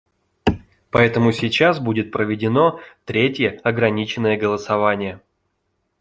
Поэтому сейчас будет проведено третье ограниченное голосование.